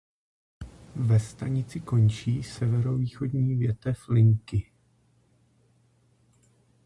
Ve stanici končí severovýchodní větev linky.